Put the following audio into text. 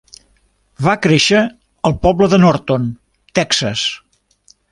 Va créixer al poble de Norton, Texas.